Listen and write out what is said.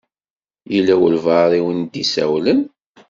Yella walebɛaḍ i wen-d-isawlen?